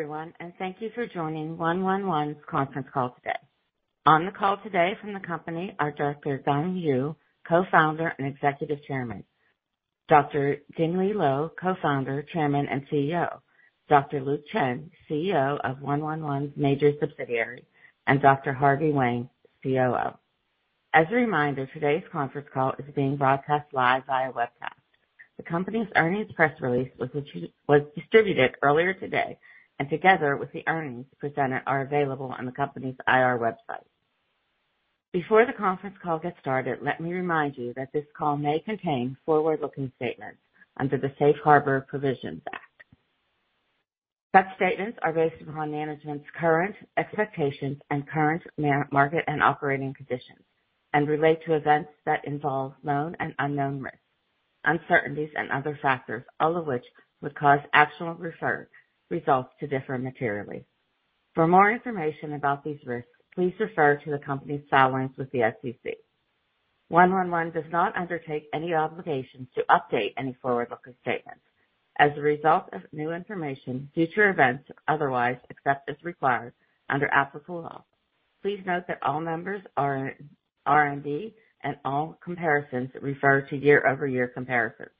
Hello, everyone, and thank you for joining 111's conference call today. On the call today from the company are Dr. Gang Yu, co-founder and executive chairman, Dr. Junling Liu, co-founder, chairman, and CEO, Dr. Luke Chen, CEO of 111's major subsidiary, and Dr. Harvey Wang, COO. As a reminder, today's conference call is being broadcast live via webcast. The company's earnings press release was distributed earlier today, and together with the earnings presented, are available on the company's IR website. Before the conference call gets started, let me remind you that this call may contain forward-looking statements under the Safe Harbor Provisions Act. Such statements are based upon management's current expectations and current market and operating conditions, and relate to events that involve known and unknown risks, uncertainties and other factors, all of which would cause actual results to differ materially. For more information about these risks, please refer to the company's filings with the SEC. 111 does not undertake any obligations to update any forward-looking statements as a result of new information, future events, or otherwise, except as required under applicable law. Please note that all numbers are RMB, and all comparisons refer to year-over-year comparisons,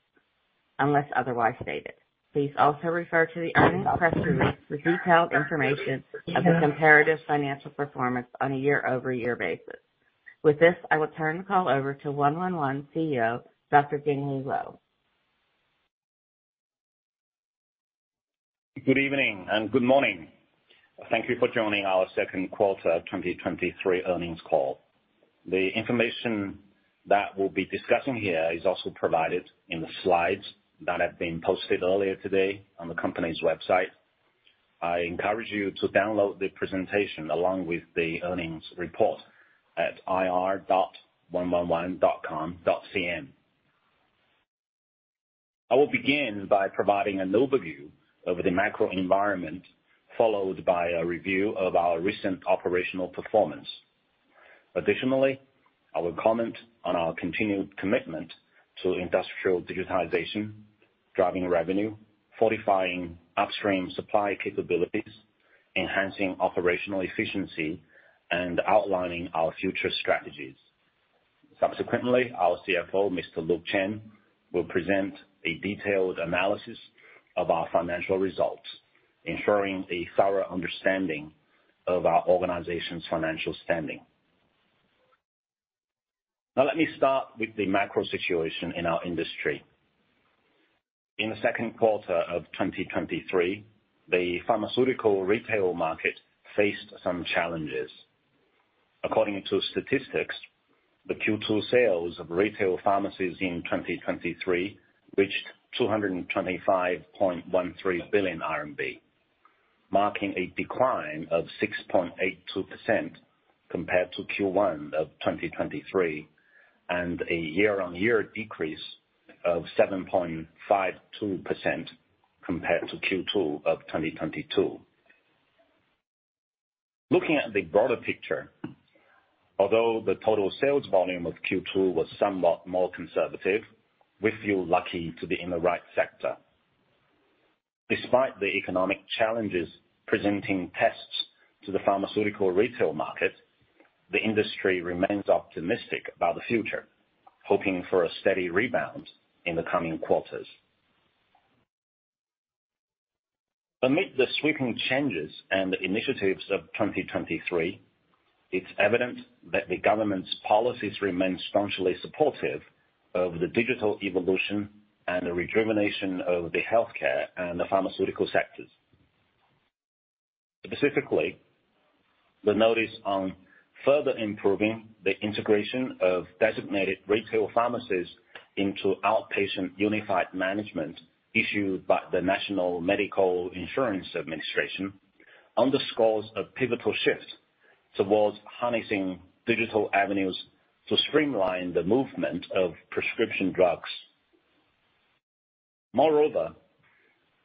unless otherwise stated. Please also refer to the earnings press release for detailed information of the comparative financial performance on a year-over-year basis. With this, I will turn the call over to 111 CEO, Dr. Junling Liu. Good evening and good morning. Thank you for joining our second quarter of 2023 earnings call. The information that we'll be discussing here is also provided in the slides that have been posted earlier today on the company's website. I encourage you to download the presentation along with the earnings report at ir.111.com.cn. I will begin by providing an overview of the macro environment, followed by a review of our recent operational performance. Additionally, I will comment on our continued commitment to industrial digitization, driving revenue, fortifying upstream supply capabilities, enhancing operational efficiency, and outlining our future strategies. Subsequently, our CFO, Mr. Luke Chen, will present a detailed analysis of our financial results, ensuring a thorough understanding of our organization's financial standing. Now, let me start with the macro situation in our industry. In the second quarter of 2023, the pharmaceutical retail market faced some challenges. According to statistics, the Q2 sales of retail pharmacies in 2023 reached 225.13 billion RMB, marking a decline of 6.82% compared to Q1 of 2023, and a year-on-year decrease of 7.52% compared to Q2 of 2022. Looking at the broader picture, although the total sales volume of Q2 was somewhat more conservative, we feel lucky to be in the right sector. Despite the economic challenges presenting tests to the pharmaceutical retail market, the industry remains optimistic about the future, hoping for a steady rebound in the coming quarters. Amid the sweeping changes and initiatives of 2023, it's evident that the government's policies remain staunchly supportive of the digital evolution and the rejuvenation of the healthcare and the pharmaceutical sectors. Specifically, the notice on further improving the integration of designated retail pharmacies into outpatient unified management, issued by the National Medical Insurance Administration, underscores a pivotal shift towards harnessing digital avenues to streamline the movement of prescription drugs. Moreover,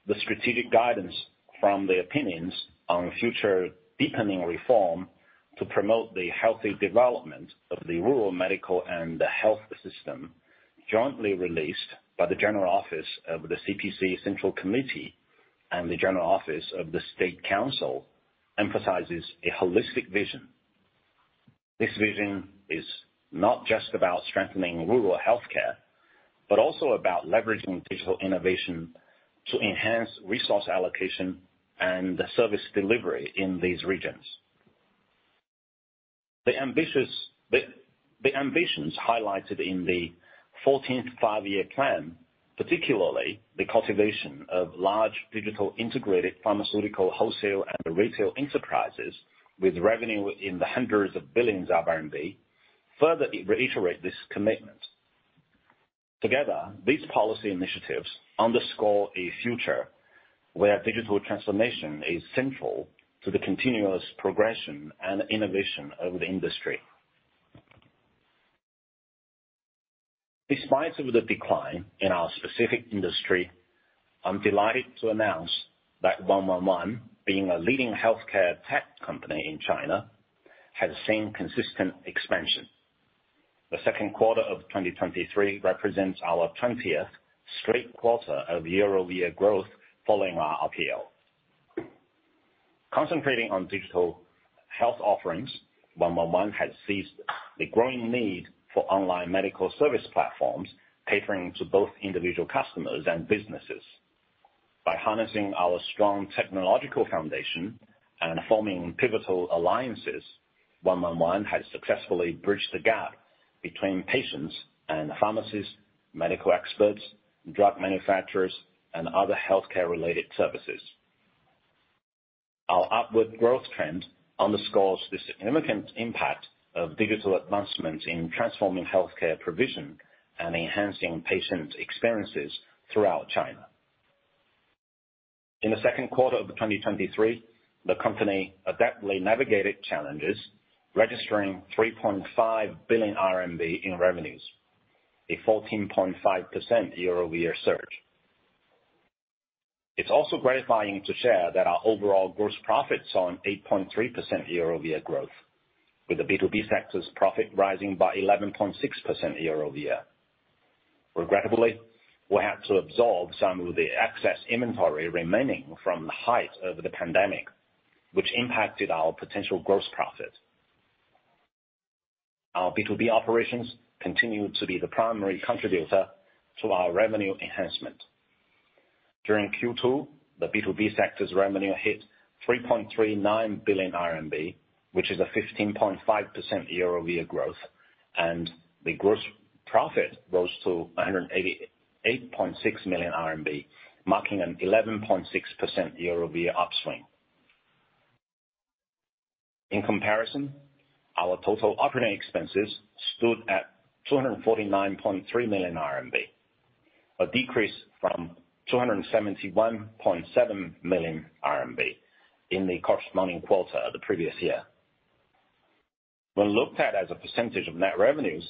the strategic guidance from the opinions on future deepening reform to promote the healthy development of the rural medical and the health system, jointly released by the General Office of the CPC Central Committee and the General Office of the State Council, emphasizes a holistic vision. This vision is not just about strengthening rural healthcare, but also about leveraging digital innovation to enhance resource allocation and the service delivery in these regions. The ambitions highlighted in the Fourteenth Five-Year Plan, particularly the cultivation of large digital integrated pharmaceutical, wholesale, and retail enterprises with revenue in the hundreds of billions of RMB, further reiterate this commitment. Together, these policy initiatives underscore a future where digital transformation is central to the continuous progression and innovation of the industry. Despite of the decline in our specific industry, I'm delighted to announce that 111, being a leading healthcare tech company in China, has seen consistent expansion.... The second quarter of 2023 represents our 20th straight quarter of year-over-year growth following our IPO. Concentrating on digital health offerings, 111 has seized the growing need for online medical service platforms, catering to both individual customers and businesses. By harnessing our strong technological foundation and forming pivotal alliances, 111 has successfully bridged the gap between patients and pharmacists, medical experts, drug manufacturers, and other healthcare-related services. Our upward growth trend underscores the significant impact of digital advancements in transforming healthcare provision and enhancing patient experiences throughout China. In the second quarter of 2023, the company adeptly navigated challenges, registering 3.5 billion RMB in revenues, a 14.5% year-over-year surge. It's also gratifying to share that our overall gross profits saw an 8.3% year-over-year growth, with the B2B sector's profit rising by 11.6% year-over-year. Regrettably, we had to absorb some of the excess inventory remaining from the height of the pandemic, which impacted our potential gross profit. Our B2B operations continued to be the primary contributor to our revenue enhancement. During Q2, the B2B sector's revenue hit 3.39 billion RMB, which is a 15.5% year-over-year growth, and the gross profit rose to 188.6 million RMB, marking an 11.6% year-over-year upswing. In comparison, our total operating expenses stood at 249.3 million RMB, a decrease from 271.7 million RMB in the corresponding quarter of the previous year. When looked at as a percentage of net revenues,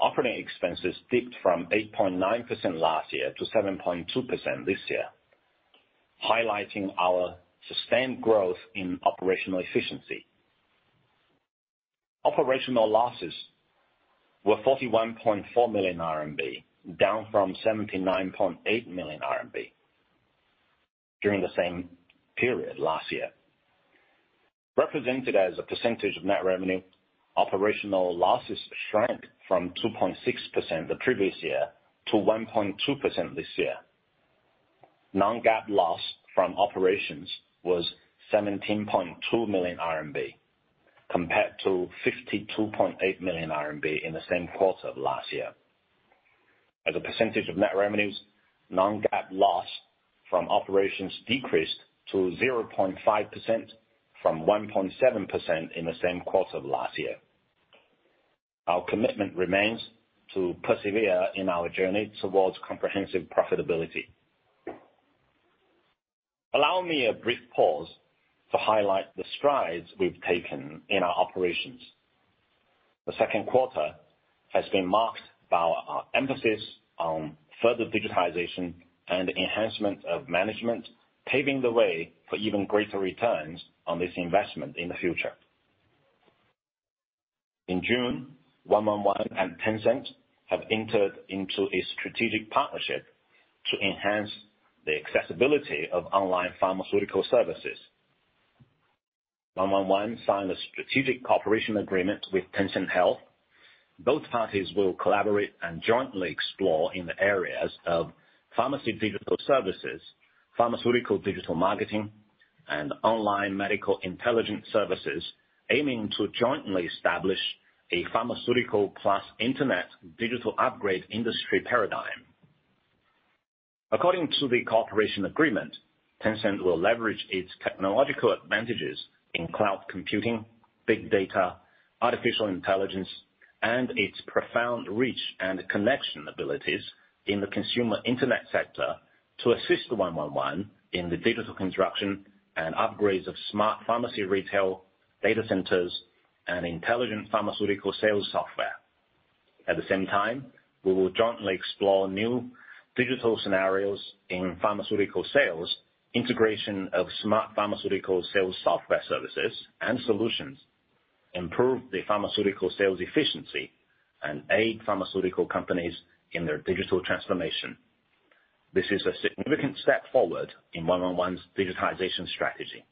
operating expenses dipped from 8.9% last year to 7.2% this year, highlighting our sustained growth in operational efficiency. Operational losses were 41.4 million RMB, down from 79.8 million RMB during the same period last year. Represented as a percentage of net revenue, operational losses shrank from 2.6% the previous year to 1.2% this year. Non-GAAP loss from operations was 17.2 million RMB, compared to 52.8 million RMB in the same quarter of last year. As a percentage of net revenues, Non-GAAP loss from operations decreased to 0.5% from 1.7% in the same quarter of last year. Our commitment remains to persevere in our journey towards comprehensive profitability. Allow me a brief pause to highlight the strides we've taken in our operations. The second quarter has been marked by our emphasis on further digitization and enhancement of management, paving the way for even greater returns on this investment in the future. In June, 111 and Tencent have entered into a strategic partnership to enhance the accessibility of online pharmaceutical services. 111 signed a strategic cooperation agreement with Tencent Health. Both parties will collaborate and jointly explore in the areas of pharmacy digital services, pharmaceutical digital marketing, and online medical intelligence services, aiming to jointly establish a pharmaceutical plus internet digital upgrade industry paradigm. According to the cooperation agreement, Tencent will leverage its technological advantages in cloud computing, big data, artificial intelligence, and its profound reach and connection abilities in the consumer internet sector to assist 111 in the digital construction and upgrades of smart pharmacy, retail, data centers, and intelligent pharmaceutical sales software. At the same time, we will jointly explore new digital scenarios in pharmaceutical sales, integration of smart pharmaceutical sales, software services and solutions, improve the pharmaceutical sales efficiency, and aid pharmaceutical companies in their digital transformation. This is a significant step forward in 111's digitization strategy.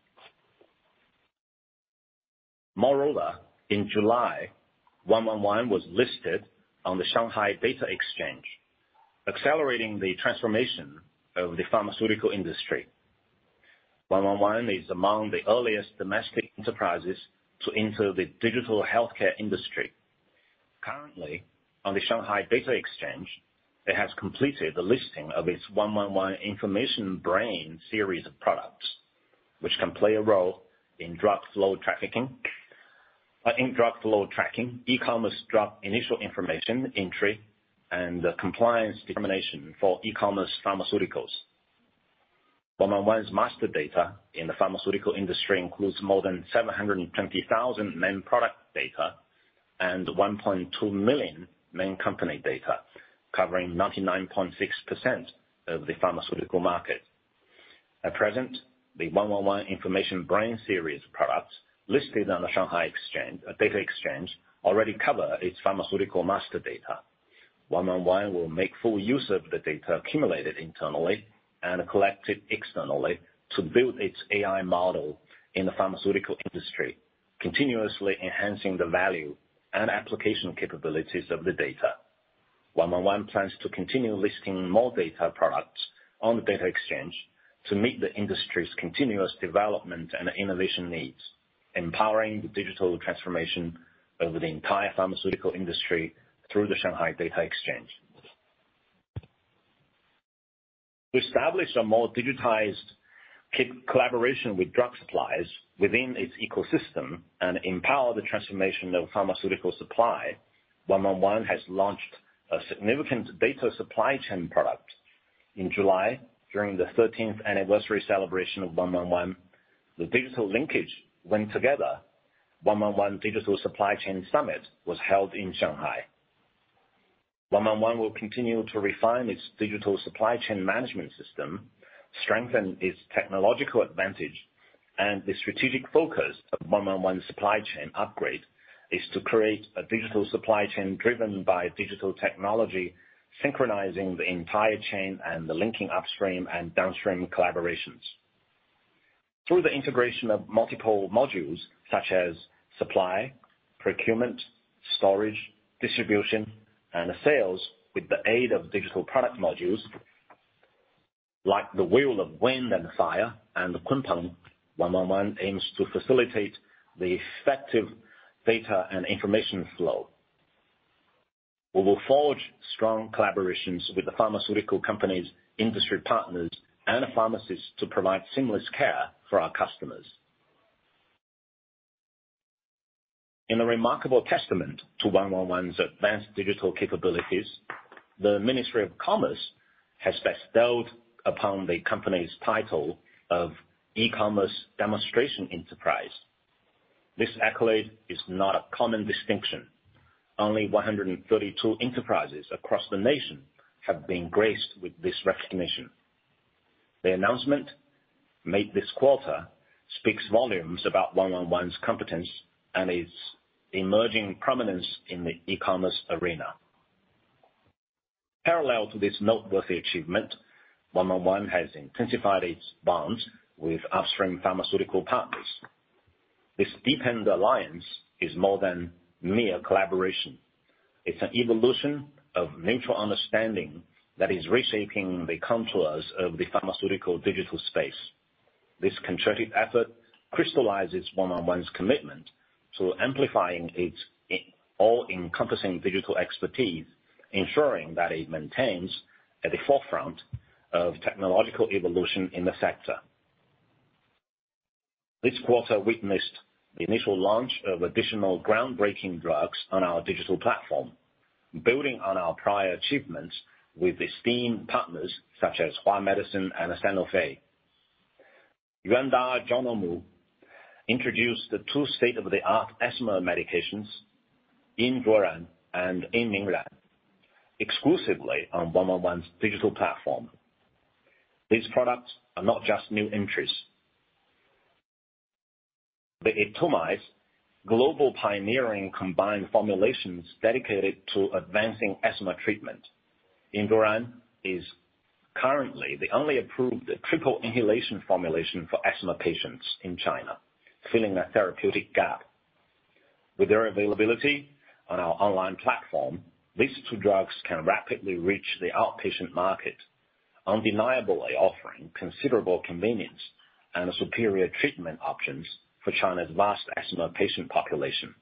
Moreover, in July, 111 was listed on the Shanghai Data Exchange, accelerating the transformation of the pharmaceutical industry. 111 is among the earliest domestic enterprises to enter the digital healthcare industry. Currently, on the Shanghai Data Exchange, it has completed the listing of its 111 Information Brain series of products, which can play a role in drug flow trafficking—in drug flow tracking, e-commerce drug initial information entry, and the compliance determination for e-commerce pharmaceuticals. 111's master data in the pharmaceutical industry includes more than 720,000 main product data and 1.2 million main company data, covering 99.6% of the pharmaceutical market.... At present, the 111 Information Brain series products listed on the Shanghai Data Exchange already cover its pharmaceutical master data. 111 will make full use of the data accumulated internally and collected externally to build its AI model in the pharmaceutical industry, continuously enhancing the value and application capabilities of the data. 111 plans to continue listing more data products on the data exchange to meet the industry's continuous development and innovation needs, empowering the digital transformation over the entire pharmaceutical industry through the Shanghai Data Exchange. To establish a more digitized collaboration with drug suppliers within its ecosystem and empower the transformation of pharmaceutical supply, 111 has launched a significant data supply chain product. In July, during the thirteenth anniversary celebration of 111, the digital linkage went together. 111 Digital Supply Chain Summit was held in Shanghai. 111 will continue to refine its digital supply chain management system, strengthen its technological advantage, and the strategic focus of 111 supply chain upgrade is to create a digital supply chain driven by digital technology, synchronizing the entire chain and the linking upstream and downstream collaborations. Through the integration of multiple modules such as supply, procurement, storage, distribution, and sales, with the aid of digital product modules, like the Wheel of Wind and Fire and the Kunpeng, 111 aims to facilitate the effective data and information flow. We will forge strong collaborations with the pharmaceutical companies, industry partners, and pharmacists to provide seamless care for our customers. In a remarkable testament to 111's advanced digital capabilities, the Ministry of Commerce has bestowed upon the company's title of E-commerce Demonstration Enterprise. This accolade is not a common distinction. Only 132 enterprises across the nation have been graced with this recognition. The announcement made this quarter speaks volumes about 111's competence and its emerging prominence in the e-commerce arena. Parallel to this noteworthy achievement, 111 has intensified its bonds with upstream pharmaceutical partners. This deepened alliance is more than mere collaboration. It's an evolution of mutual understanding that is reshaping the contours of the pharmaceutical digital space. This concentric effort crystallizes 111's commitment to amplifying its all-encompassing digital expertise, ensuring that it maintains at the forefront of technological evolution in the sector. This quarter witnessed the initial launch of additional groundbreaking drugs on our digital platform, building on our prior achievements with esteemed partners such as Hua Medicine and Sanofi. Novartis introduced the two state-of-the-art asthma medications, Yinzhuoran and Yinminglan, exclusively on 111's digital platform. These products are not just new entries. They optimize global pioneering combined formulations dedicated to advancing asthma treatment. Yinzhuoran is currently the only approved triple inhalation formulation for asthma patients in China, filling that therapeutic gap. With their availability on our online platform, these two drugs can rapidly reach the outpatient market, undeniably offering considerable convenience and superior treatment options for China's vast asthma patient population.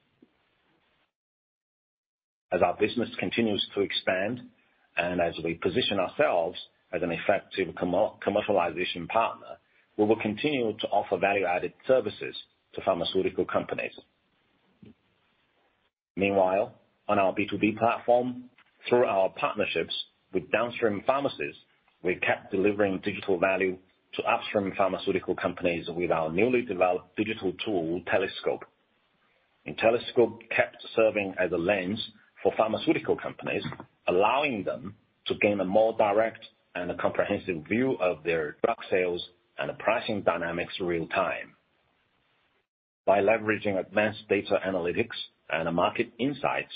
As our business continues to expand, and as we position ourselves as an effective commercialization partner, we will continue to offer value-added services to pharmaceutical companies. Meanwhile, on our B2B platform, through our partnerships with downstream pharmacies, we kept delivering digital value to upstream pharmaceutical companies with our newly developed digital tool, Telescope. And Telescope kept serving as a lens for pharmaceutical companies, allowing them to gain a more direct and comprehensive view of their drug sales and the pricing dynamics in real time. By leveraging advanced data analytics and market insights,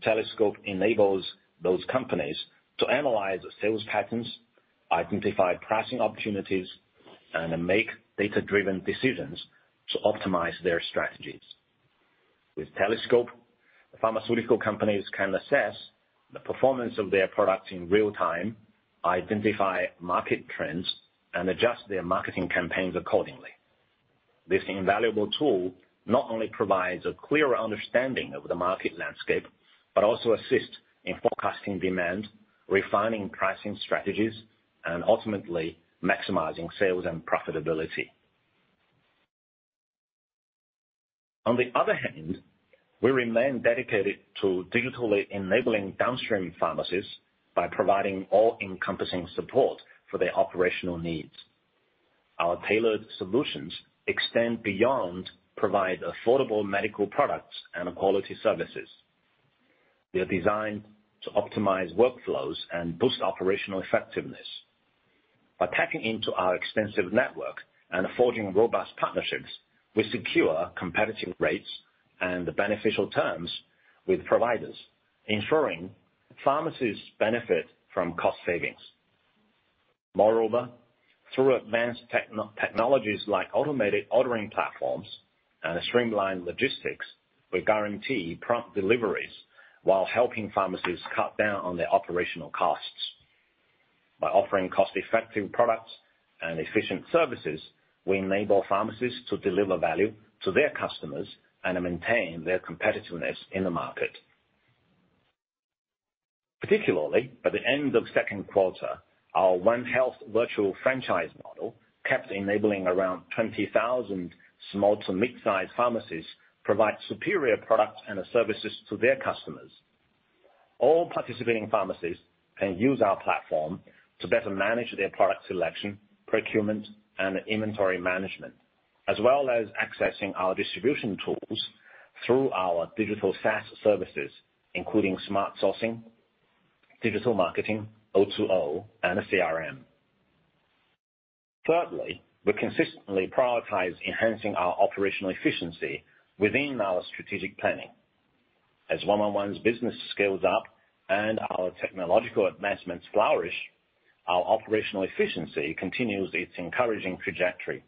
Telescope enables those companies to analyze sales patterns, identify pricing opportunities, and make data-driven decisions to optimize their strategies. With Telescope, pharmaceutical companies can assess the performance of their products in real time, identify market trends, and adjust their marketing campaigns accordingly. This invaluable tool not only provides a clearer understanding of the market landscape, but also assists in forecasting demand, refining pricing strategies, and ultimately maximizing sales and profitability. On the other hand, we remain dedicated to digitally enabling downstream pharmacies by providing all-encompassing support for their operational needs. Our tailored solutions extend beyond provide affordable medical products and quality services. They are designed to optimize workflows and boost operational effectiveness. By tapping into our extensive network and forging robust partnerships, we secure competitive rates and beneficial terms with providers, ensuring pharmacies benefit from cost savings. Moreover, through advanced technologies like automated ordering platforms and streamlined logistics, we guarantee prompt deliveries while helping pharmacies cut down on their operational costs. By offering cost-effective products and efficient services, we enable pharmacies to deliver value to their customers and to maintain their competitiveness in the market. Particularly, by the end of second quarter, our OneHealth virtual franchise model kept enabling around 20,000 small to mid-sized pharmacies provide superior products and services to their customers. All participating pharmacies can use our platform to better manage their product selection, procurement, and inventory management, as well as accessing our distribution tools through our digital SaaS services, including smart sourcing, digital marketing, O2O, and a CRM. Thirdly, we consistently prioritize enhancing our operational efficiency within our strategic planning. As 111's business scales up and our technological advancements flourish, our operational efficiency continues its encouraging trajectory.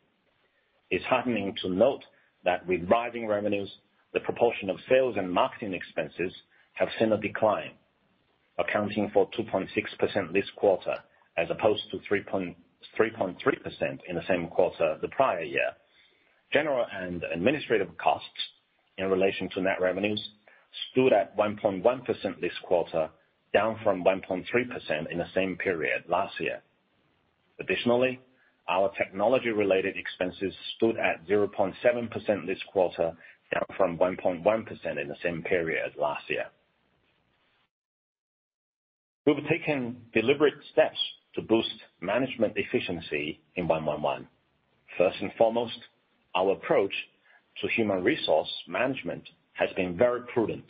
It's heartening to note that with rising revenues, the proportion of sales and marketing expenses have seen a decline, accounting for 2.6% this quarter, as opposed to 3.3% in the same quarter the prior year. General and administrative costs in relation to net revenues stood at 1.1% this quarter, down from 1.3% in the same period last year. Additionally, our technology-related expenses stood at 0.7% this quarter, down from 1.1% in the same period last year. We've taken deliberate steps to boost management efficiency in 111. First and foremost, our approach to human resource management has been very prudent,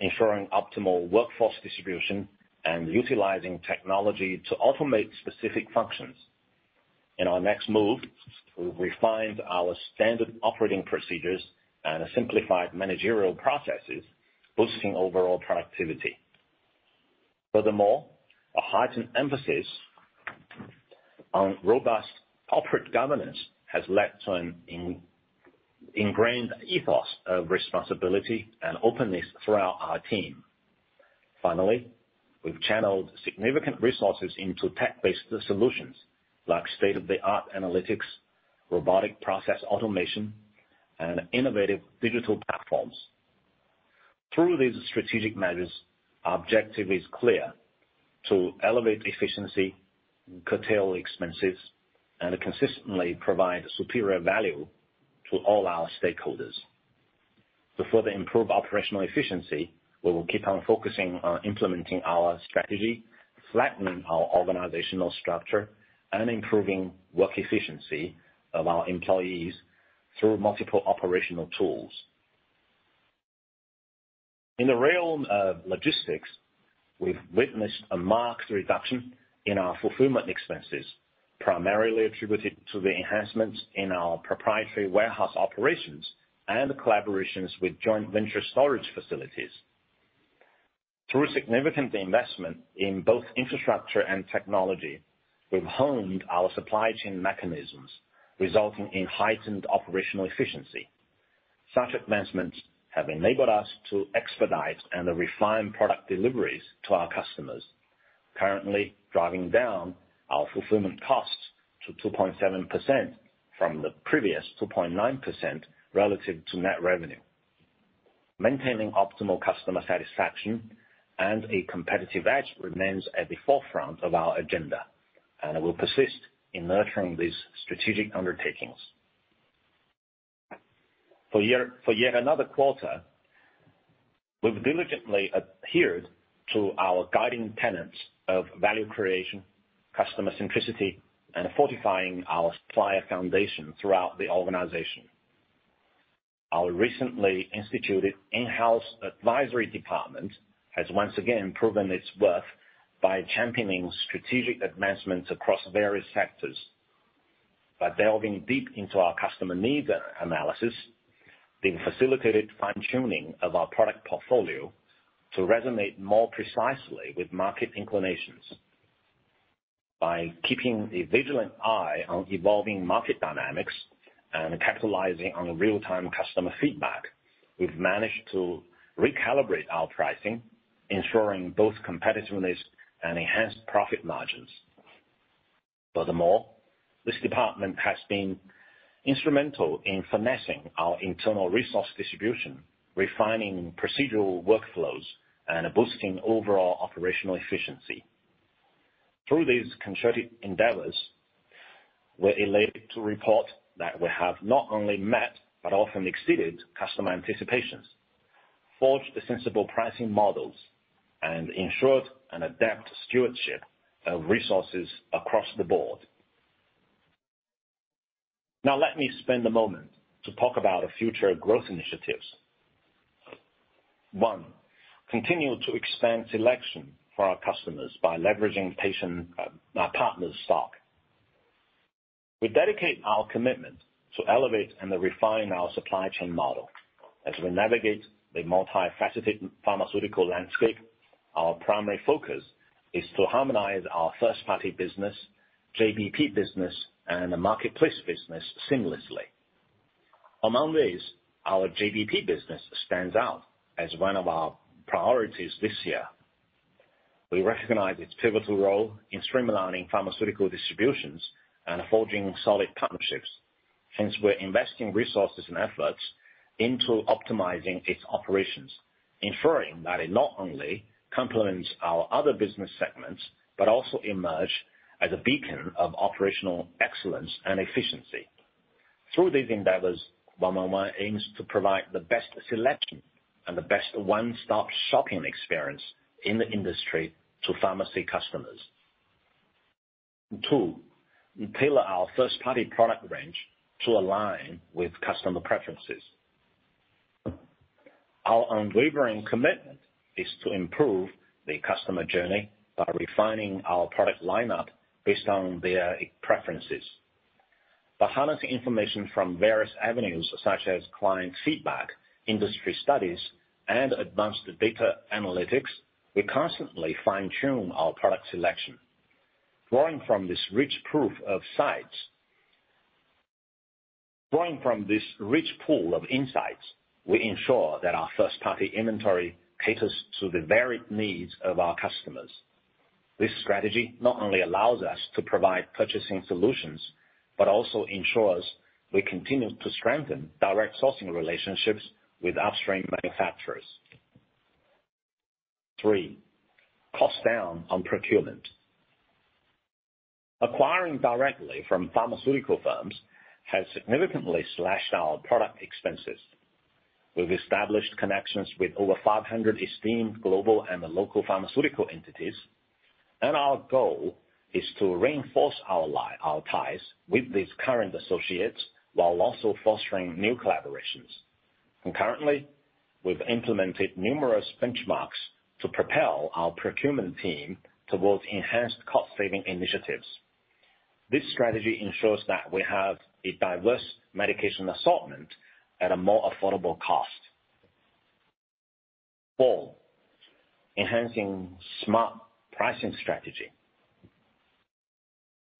ensuring optimal workforce distribution and utilizing technology to automate specific functions. In our next move, we've refined our standard operating procedures and simplified managerial processes, boosting overall productivity. Furthermore, a heightened emphasis on robust corporate governance has led to an ingrained ethos of responsibility and openness throughout our team. Finally, we've channeled significant resources into tech-based solutions like state-of-the-art analytics, robotic process automation, and innovative digital platforms. Through these strategic measures, our objective is clear: to elevate efficiency, curtail expenses, and consistently provide superior value to all our stakeholders. To further improve operational efficiency, we will keep on focusing on implementing our strategy, flattening our organizational structure, and improving work efficiency of our employees through multiple operational tools. In the realm of logistics, we've witnessed a marked reduction in our fulfillment expenses, primarily attributed to the enhancements in our proprietary warehouse operations and collaborations with joint venture storage facilities. Through significant investment in both infrastructure and technology, we've honed our supply chain mechanisms, resulting in heightened operational efficiency. Such advancements have enabled us to expedite and refine product deliveries to our customers, currently driving down our fulfillment costs to 2.7% from the previous 2.9% relative to net revenue. Maintaining optimal customer satisfaction and a competitive edge remains at the forefront of our agenda, and we'll persist in nurturing these strategic undertakings. For year, for yet another quarter, we've diligently adhered to our guiding tenets of value creation, customer centricity, and fortifying our supplier foundation throughout the organization. Our recently instituted in-house advisory department has once again proven its worth by championing strategic advancements across various sectors. By delving deep into our customer needs analysis, we've facilitated fine-tuning of our product portfolio to resonate more precisely with market inclinations. By keeping a vigilant eye on evolving market dynamics and capitalizing on real-time customer feedback, we've managed to recalibrate our pricing, ensuring both competitiveness and enhanced profit margins. Furthermore, this department has been instrumental in finessing our internal resource distribution, refining procedural workflows, and boosting overall operational efficiency. Through these concerted endeavors, we're elated to report that we have not only met but often exceeded customer anticipations, forged sensible pricing models, and ensured an adept stewardship of resources across the board. Now let me spend a moment to talk about our future growth initiatives. One, continue to expand selection for our customers by leveraging our partners' stock. We dedicate our commitment to elevate and refine our supply chain model. As we navigate the multifaceted pharmaceutical landscape, our primary focus is to harmonize our first-party business, JBP business, and the marketplace business seamlessly. Among these, our JBP business stands out as one of our priorities this year. We recognize its pivotal role in streamlining pharmaceutical distributions and forging solid partnerships. Hence, we're investing resources and efforts into optimizing its operations, ensuring that it not only complements our other business segments, but also emerge as a beacon of operational excellence and efficiency. Through these endeavors, 111 aims to provide the best selection and the best one-stop shopping experience in the industry to pharmacy customers. Two, tailor our first-party product range to align with customer preferences. Our unwavering commitment is to improve the customer journey by refining our product lineup based on their preferences. By harnessing information from various avenues, such as client feedback, industry studies, and advanced data analytics, we constantly fine-tune our product selection. Drawing from this rich pool of insights, we ensure that our first-party inventory caters to the varied needs of our customers. This strategy not only allows us to provide purchasing solutions, but also ensures we continue to strengthen direct sourcing relationships with upstream manufacturers. 3, cost down on procurement. Acquiring directly from pharmaceutical firms has significantly slashed our product expenses. We've established connections with over 500 esteemed global and local pharmaceutical entities, and our goal is to reinforce our ties with these current associates, while also fostering new collaborations. Concurrently, we've implemented numerous benchmarks to propel our procurement team towards enhanced cost-saving initiatives. This strategy ensures that we have a diverse medication assortment at a more affordable cost. 4, enhancing smart pricing strategy.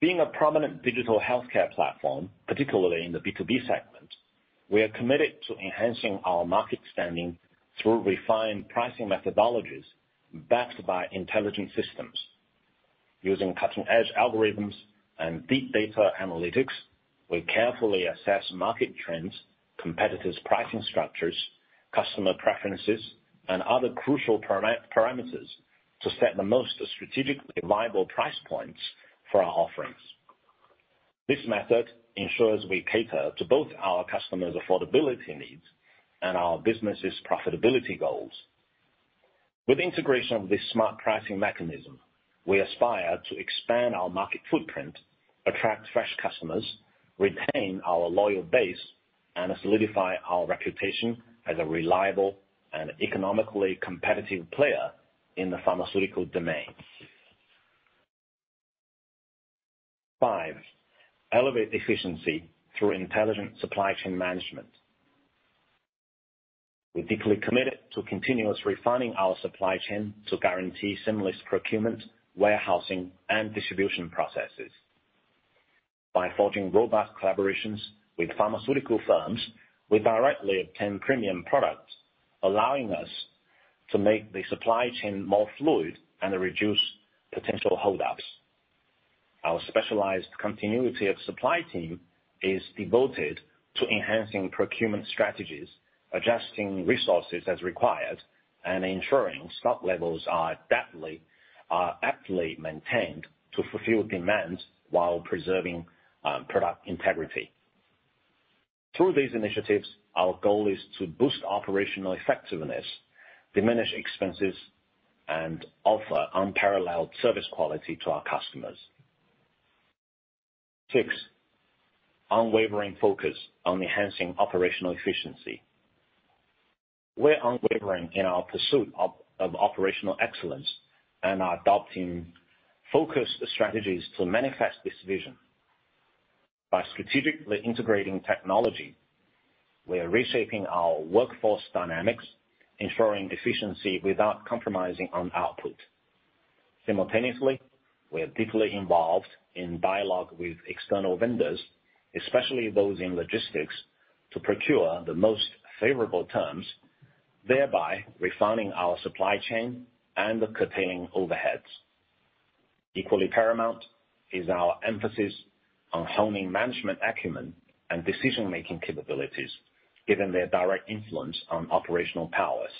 Being a prominent digital healthcare platform, particularly in the B2B segment, we are committed to enhancing our market standing through refined pricing methodologies backed by intelligent systems. Using cutting-edge algorithms and deep data analytics, we carefully assess market trends, competitors' pricing structures, customer preferences, and other crucial parameters to set the most strategically viable price points for our offerings. This method ensures we cater to both our customers' affordability needs and our business's profitability goals. With integration of this smart pricing mechanism, we aspire to expand our market footprint, attract fresh customers, retain our loyal base, and solidify our reputation as a reliable and economically competitive player in the pharmaceutical domain. 5, elevate efficiency through intelligent supply chain management. We're deeply committed to continuously refining our supply chain to guarantee seamless procurement, warehousing, and distribution processes. By forging robust collaborations with pharmaceutical firms, we directly obtain premium products, allowing us to make the supply chain more fluid and reduce potential hold-ups. Our specialized continuity of supply team is devoted to enhancing procurement strategies, adjusting resources as required, and ensuring stock levels are adeptly, aptly maintained to fulfill demands while preserving product integrity. Through these initiatives, our goal is to boost operational effectiveness, diminish expenses, and offer unparalleled service quality to our customers. Six, unwavering focus on enhancing operational efficiency. We're unwavering in our pursuit of operational excellence and are adopting focused strategies to manifest this vision. By strategically integrating technology, we are reshaping our workforce dynamics, ensuring efficiency without compromising on output. Simultaneously, we are deeply involved in dialogue with external vendors, especially those in logistics, to procure the most favorable terms, thereby refining our supply chain and curtailing overheads. Equally paramount is our emphasis on honing management acumen and decision-making capabilities, given their direct influence on operational powers.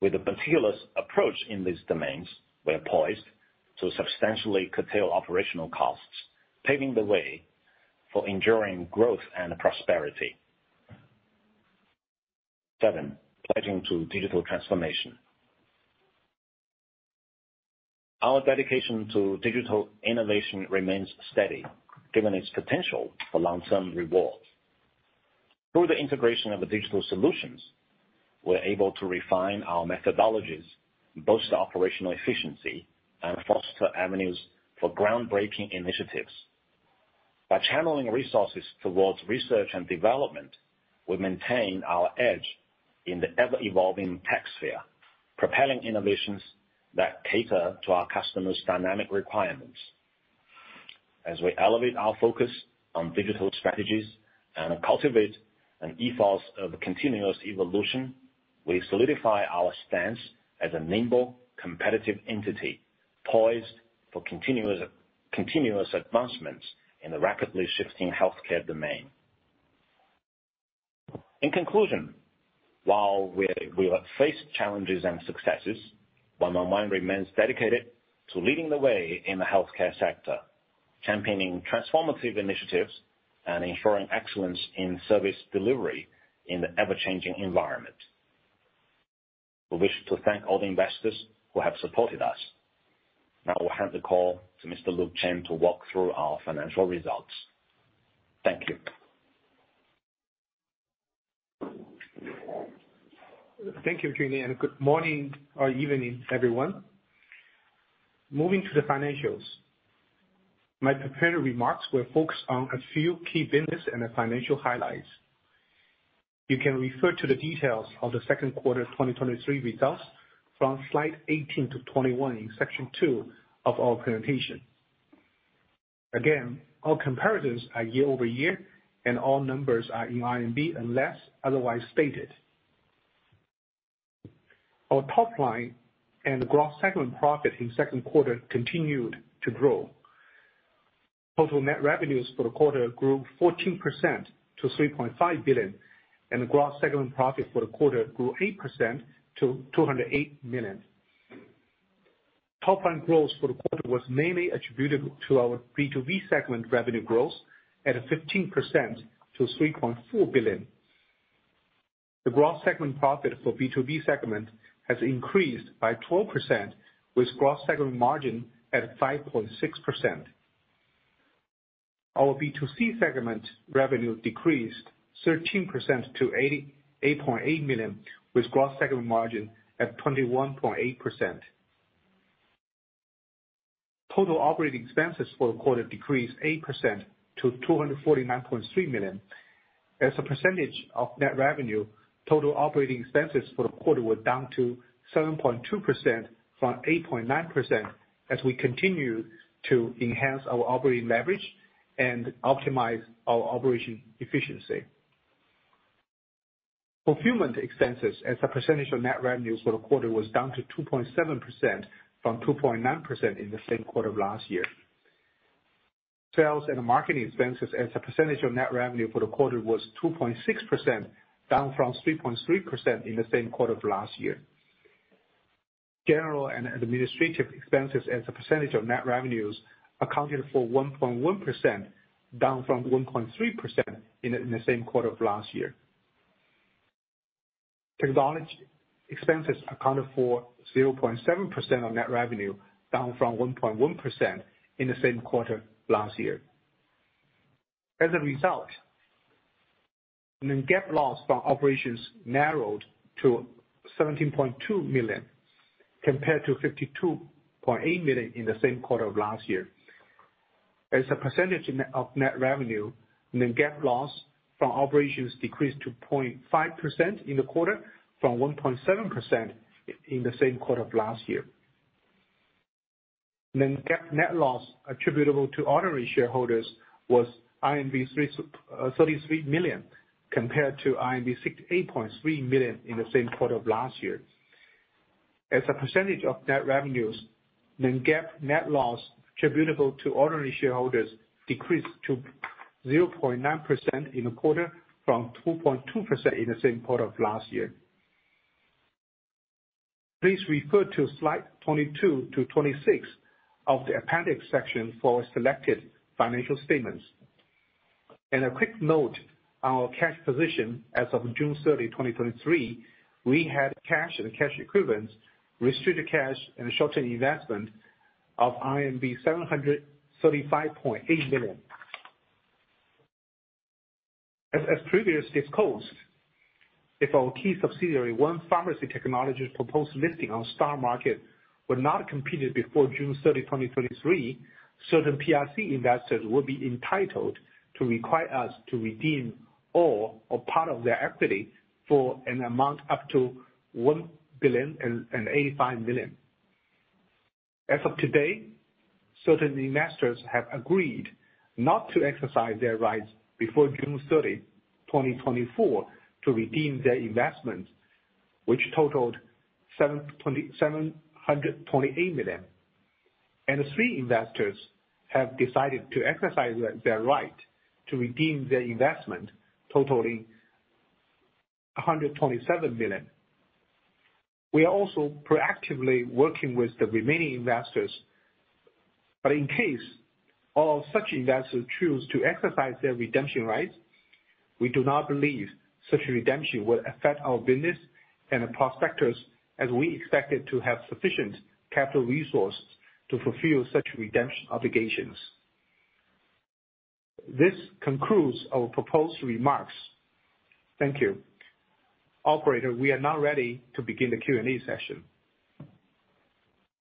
With a meticulous approach in these domains, we are poised to substantially curtail operational costs, paving the way for enduring growth and prosperity. Seven, pledging to digital transformation. Our dedication to digital innovation remains steady, given its potential for long-term rewards. Through the integration of the digital solutions, we're able to refine our methodologies, boost operational efficiency, and foster avenues for groundbreaking initiatives. By channeling resources towards research and development, we maintain our edge in the ever-evolving tech sphere, propelling innovations that cater to our customers' dynamic requirements. As we elevate our focus on digital strategies and cultivate an ethos of continuous evolution, we solidify our stance as a nimble, competitive entity, poised for continuous, continuous advancements in the rapidly shifting healthcare domain. In conclusion, while we have faced challenges and successes, one more mind remains dedicated to leading the way in the healthcare sector, championing transformative initiatives and ensuring excellence in service delivery in the ever-changing environment. We wish to thank all the investors who have supported us. Now I will hand the call to Mr. Luke Chen to walk through our financial results. Thank you. Thank you, Junling, and good morning or evening, everyone. Moving to the financials. My prepared remarks will focus on a few key business and the financial highlights. You can refer to the details of the second quarter 2023 results from slides 18-21 in section 2 of our presentation. Again, all comparisons are year-over-year, and all numbers are in RMB unless otherwise stated. Our top line and the gross segment profit in second quarter continued to grow. Total net revenues for the quarter grew 14% to 3.5 billion, and the gross segment profit for the quarter grew 8% to 208 million. Top line growth for the quarter was mainly attributed to our B2B segment revenue growth at 15% to 3.4 billion. The gross segment profit for B2B segment has increased by 12%, with gross segment margin at 5.6%. Our B2C segment revenue decreased 13% to 88.8 million, with gross segment margin at 21.8%. Total operating expenses for the quarter decreased 8% to 249.3 million. As a percentage of net revenue, total operating expenses for the quarter were down to 7.2% from 8.9%, as we continue to enhance our operating leverage and optimize our operation efficiency. Fulfillment expenses as a percentage of net revenues for the quarter was down to 2.7% from 2.9% in the same quarter of last year. Sales and marketing expenses as a percentage of net revenue for the quarter was 2.6%, down from 3.3% in the same quarter of last year. General and administrative expenses as a percentage of net revenues accounted for 1.1%, down from 1.3% in the same quarter of last year. Technology expenses accounted for 0.7% of net revenue, down from 1.1% in the same quarter last year. As a result, non-GAAP loss from operations narrowed to 17.2 million, compared to 52.8 million in the same quarter of last year. As a percentage of net revenue, non-GAAP loss from operations decreased to 0.5% in the quarter, from 1.7% in the same quarter of last year. Non-GAAP net loss attributable to ordinary shareholders was 33 million, compared to 68.3 million in the same quarter of last year. As a percentage of net revenues, non-GAAP net loss attributable to ordinary shareholders decreased to 0.9% in the quarter, from 2.2% in the same quarter of last year. Please refer to slide 22-26 of the appendix section for selected financial statements. A quick note on our cash position. As of June 30, 2023, we had cash and cash equivalents, restricted cash and short-term investment of CNY 735.8 million. As previously disclosed, if our key subsidiary, 1 Pharmacy Technologies proposed listing on stock market, were not completed before June thirty, 2023, certain PRC investors will be entitled to require us to redeem all or part of their equity for an amount up to 1.085 billion. As of today, certain investors have agreed not to exercise their rights before June thirty, 2024 to redeem their investments, which totaled 727.28 million, and three investors have decided to exercise their right to redeem their investment, totaling 127 million. We are also proactively working with the remaining investors. But in case all such investors choose to exercise their redemption rights, we do not believe such a redemption will affect our business and the prospects, as we expected to have sufficient capital resources to fulfill such redemption obligations. This concludes our proposed remarks. Thank you. Operator, we are now ready to begin the Q&A session.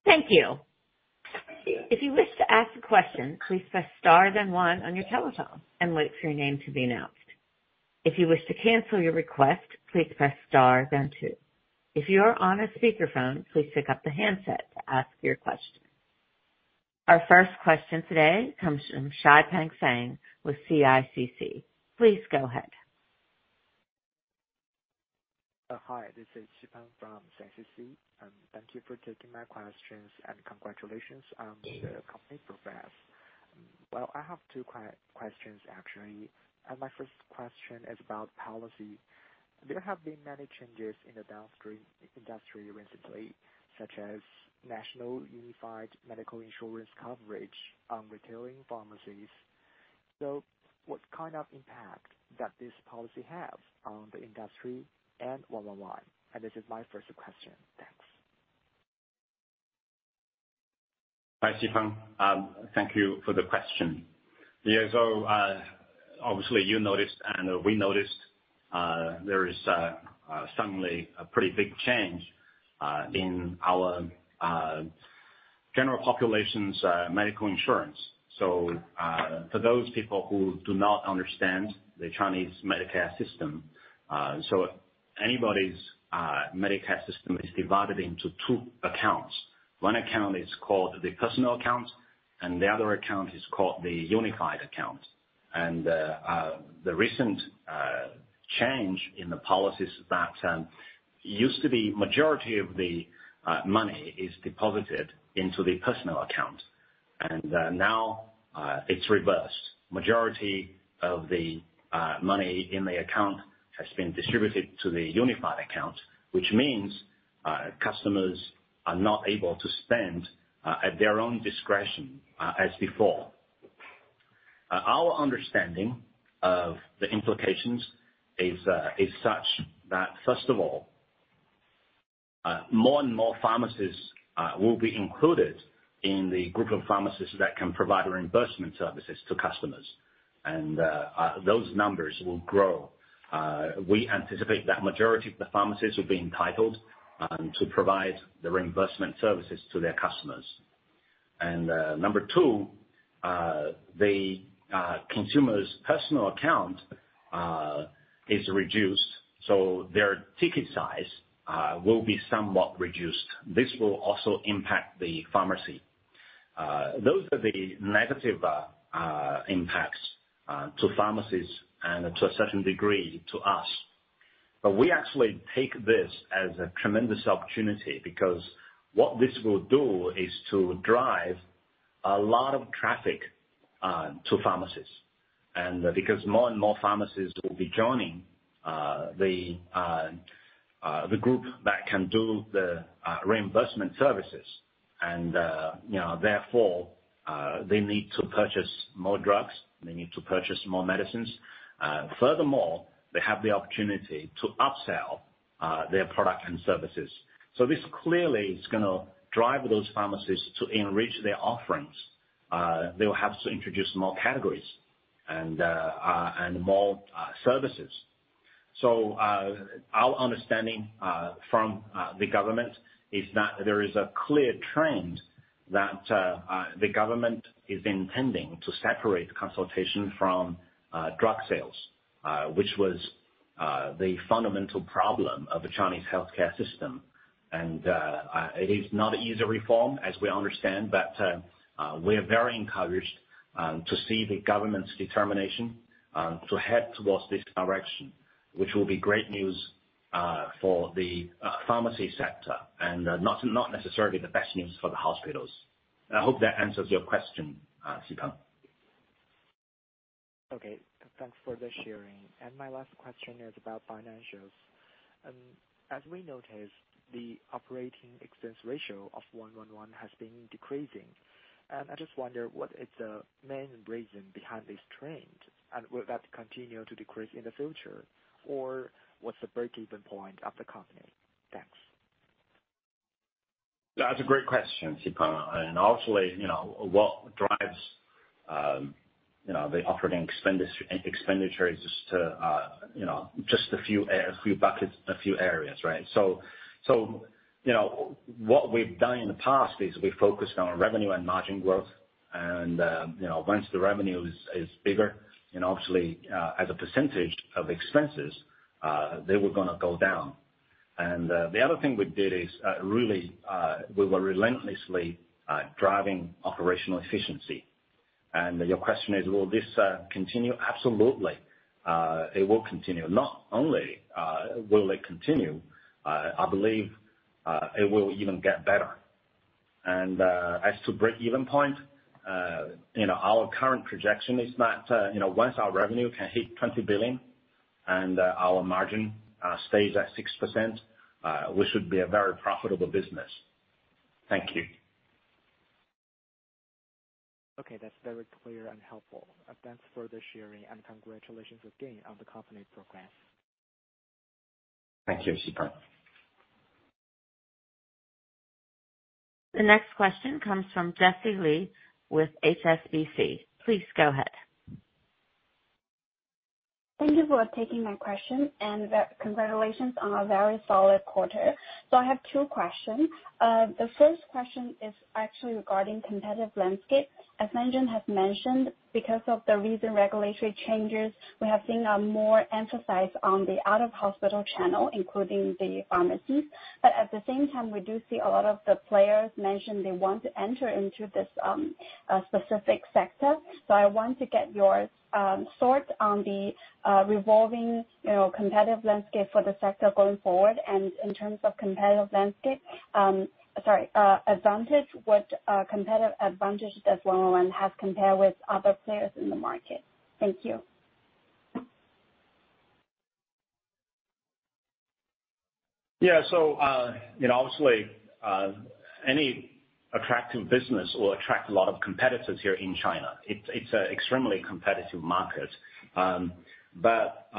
Thank you. If you wish to ask a question, please press star then one on your telephone, and wait for your name to be announced. If you wish to cancel your request, please press star then two. If you are on a speakerphone, please pick up the handset to ask your question. Our first question today comes from Xipeng Feng with CICC. Please go ahead. Hi, this is Xipeng from CICC, and thank you for taking my questions, and congratulations on the company progress. Well, I have two questions, actually, and my first question is about policy. There have been many changes in the downstream industry recently, such as national unified medical insurance coverage on retail pharmacies. So what kind of impact does this policy have on the industry and 111? And this is my first question. Thanks. Hi, Xipeng. Thank you for the question. Yeah, so, obviously, you noticed and we noticed, there is suddenly a pretty big change in our general population's medical insurance. So, for those people who do not understand the Chinese Medicare system, anybody's Medicare system is divided into two accounts. One account is called the personal account, and the other account is called the unified account. And, the recent change in the policies that used to be majority of the money is deposited into the personal account, and now, it's reversed. Majority of the money in the account has been distributed to the unified account, which means, customers are not able to spend at their own discretion as before. Our understanding of the implications is such that, first of all, more and more pharmacies will be included in the group of pharmacies that can provide reimbursement services to customers, and those numbers will grow. We anticipate that majority of the pharmacies will be entitled to provide the reimbursement services to their customers. And number two, the consumer's personal account is reduced, so their ticket size will be somewhat reduced. This will also impact the pharmacy. Those are the negative impacts to pharmacies and to a certain degree, to us. But we actually take this as a tremendous opportunity, because what this will do is to drive a lot of traffic to pharmacies. Because more and more pharmacies will be joining the group that can do the reimbursement services, and, you know, therefore, they need to purchase more drugs, they need to purchase more medicines. Furthermore, they have the opportunity to upsell their product and services. So this clearly is gonna drive those pharmacies to enrich their offerings. They will have to introduce more categories and more services. So, our understanding from the government is that there is a clear trend that the government is intending to separate consultation from drug sales, which was the fundamental problem of the Chinese healthcare system. It is not an easy reform as we understand, but we are very encouraged to see the government's determination to head towards this direction, which will be great news for the pharmacy sector and not, not necessarily the best news for the hospitals. I hope that answers your question, Shipeng. Okay, thanks for the sharing. My last question is about financials. As we noticed, the operating expense ratio of 111 has been decreasing, and I just wonder, what is the main reason behind this trend? Will that continue to decrease in the future, or what's the breakeven point of the company? Thanks. That's a great question, Shipeng. And obviously, you know, what drives, you know, the operating expenditures to, you know, just a few buckets, a few areas, right? So, you know, what we've done in the past is we've focused on revenue and margin growth. And, you know, once the revenue is bigger, and obviously, as a percentage of expenses, they were gonna go down. And, the other thing we did is, really, we were relentlessly driving operational efficiency. And your question is, will this continue? Absolutely. It will continue. Not only will it continue, I believe it will even get better. And, as to break-even point-... You know, our current projection is that, you know, once our revenue can hit 20 billion and, our margin stays at 6%, we should be a very profitable business. Thank you. Okay, that's very clear and helpful. Thanks for the sharing, and congratulations again on the company progress. Thank you, Xipeng. The next question comes from Jessie Li with HSBC. Please go ahead. Thank you for taking my question, and the congratulations on a very solid quarter. So I have two questions. The first question is actually regarding competitive landscape. As Management has mentioned, because of the recent regulatory changes, we have seen a more emphasis on the out-of-hospital channel, including the pharmacies. But at the same time, we do see a lot of the players mention they want to enter into this specific sector. So I want to get your thoughts on the revolving, you know, competitive landscape for the sector going forward. And in terms of competitive landscape, sorry, advantage, what competitive advantage does 111 have compared with other players in the market? Thank you. Yeah. So, you know, obviously, any attractive business will attract a lot of competitors here in China. It's an extremely competitive market. But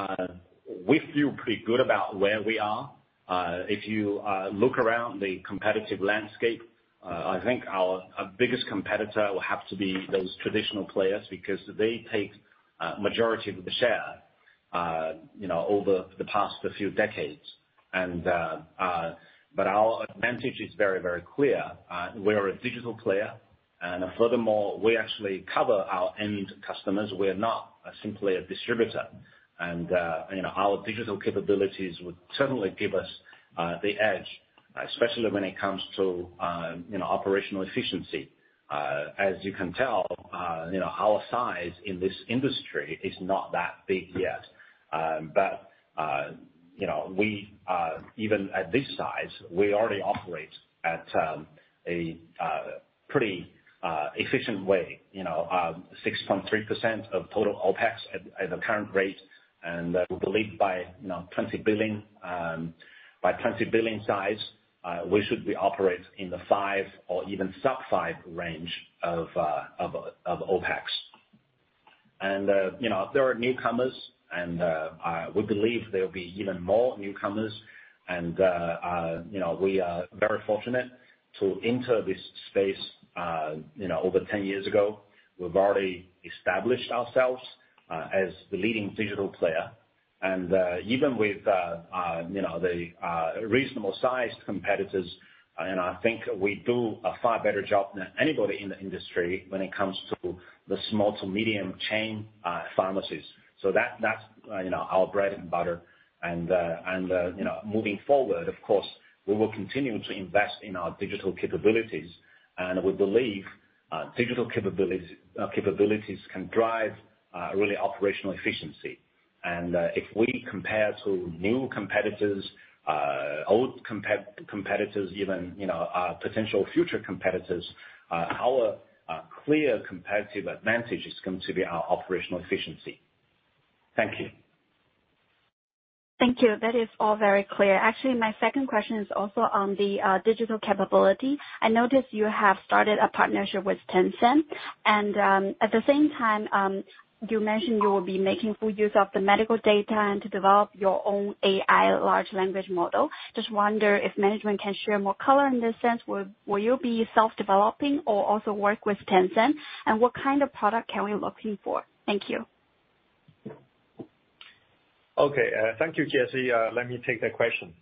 we feel pretty good about where we are. If you look around the competitive landscape, I think our biggest competitor will have to be those traditional players, because they take majority of the share, you know, over the past few decades. But our advantage is very, very clear. We are a digital player, and furthermore, we actually cover our end customers. We're not simply a distributor. And you know, our digital capabilities would certainly give us the edge, especially when it comes to, you know, operational efficiency. As you can tell, you know, our size in this industry is not that big yet. But, you know, we even at this size, we already operate at a pretty efficient way, you know, 6.3% of total OpEx at the current rate, and we believe by, you know, 20 billion by 20 billion size, we should be operate in the 5% or even sub-5% range of OpEx. And, you know, there are newcomers, and we believe there will be even more newcomers, and, you know, we are very fortunate to enter this space, you know, over 10 years ago. We've already established ourselves as the leading digital player. Even with, you know, the reasonable-sized competitors, and I think we do a far better job than anybody in the industry when it comes to the small to medium chain pharmacies. So that's, you know, our bread and butter. And, you know, moving forward, of course, we will continue to invest in our digital capabilities, and we believe digital capabilities can drive really operational efficiency. And, if we compare to new competitors, old competitors, even, you know, potential future competitors, our clear competitive advantage is going to be our operational efficiency. Thank you. Thank you. That is all very clear. Actually, my second question is also on the digital capability. I noticed you have started a partnership with Tencent, and at the same time, you mentioned you will be making full use of the medical data and to develop your own AI large language model. Just wonder if management can share more color in this sense. Will, will you be self-developing or also work with Tencent? And what kind of product can we looking for? Thank you. Okay, thank you, Jessie. Let me take that question.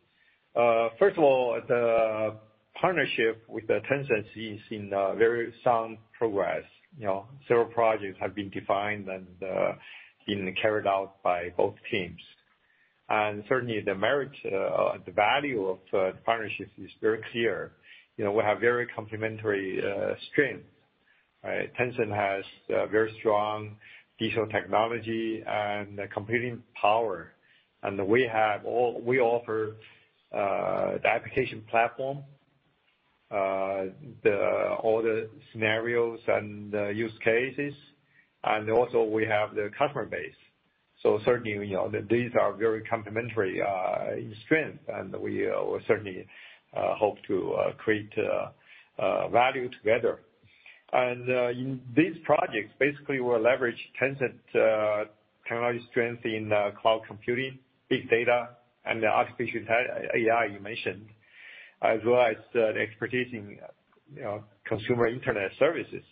First of all, the partnership with Tencent is in very sound progress. You know, several projects have been defined and being carried out by both teams. And certainly the merit, the value of the partnership is very clear. You know, we have very complementary strength, right? Tencent has a very strong digital technology and computing power, and we have all we offer, the application platform, all the scenarios and the use cases, and also we have the customer base. So certainly, you know, these are very complementary in strength, and we certainly hope to create value together. In these projects, basically, we'll leverage Tencent technology strength in cloud computing, big data, and the artificial AI you mentioned, as well as the expertise in consumer internet services.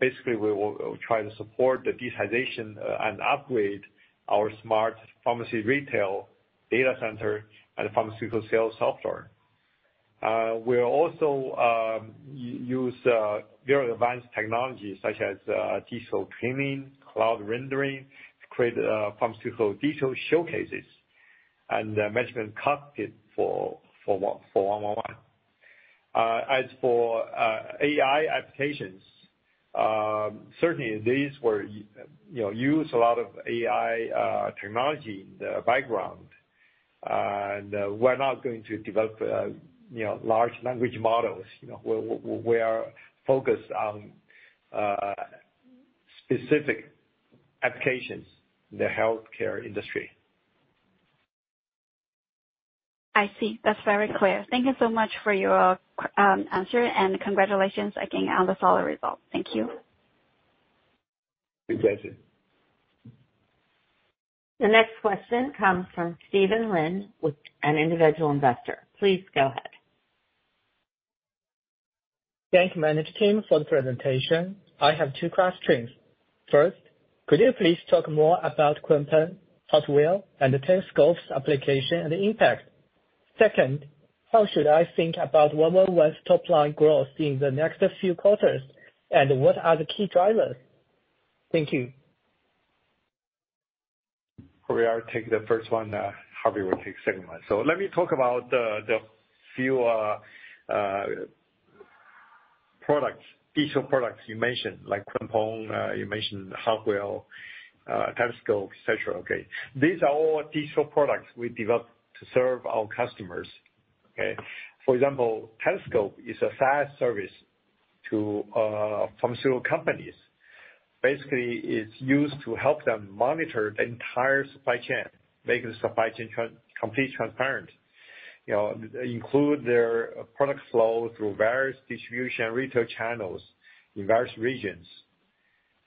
Basically, we will try to support the digitization and upgrade our smart pharmacy retail data center and pharmaceutical sales software. We'll also use very advanced technologies such as digital twinning, cloud rendering, to create pharmaceutical digital showcases and measurement cockpit for 111. As for AI applications, certainly these were, you know, use a lot of AI technology in the background. And, we're not going to develop, you know, large language models. You know, we are focused on specific applications in the healthcare industry. I see. That's very clear. Thank you so much for your answer, and congratulations again on the solid results. Thank you. My pleasure. The next question comes from Steven Lin, with an individual investor. Please go ahead. Thank management team for the presentation. I have two questions. First, could you please talk more about Kunpeng, Hot Wheels, and Telescope's application and impact? Second, how should I think about 111's top line growth in the next few quarters, and what are the key drivers? Thank you. We'll take the first one, Harvey will take the second one. So let me talk about the few digital products you mentioned, like Kunpeng, you mentioned Hot Whales, Telescope, et cetera, okay? These are all digital products we developed to serve our customers, okay? For example, Telescope is a SaaS service to pharmaceutical companies. Basically, it's used to help them monitor the entire supply chain, making the supply chain completely transparent. You know, including their product flow through various distribution and retail channels in various regions.